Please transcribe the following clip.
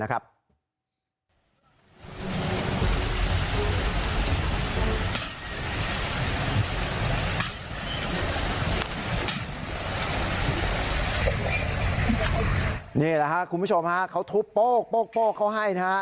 นี่แหละครับคุณผู้ชมฮะเขาทุบโป้งเขาให้นะฮะ